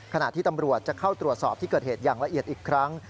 ขณะที่ตำรวจจะเข้าตรวจสอบที่เกิดเหตุอย่างละเอียดอีกครั้ง